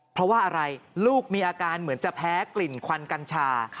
เพราะว่าอะไรลูกมีอาการเหมือนจะแพ้กลิ่นควันกัญชา